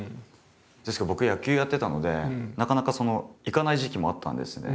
ですけど僕野球やってたのでなかなか行かない時期もあったんですね。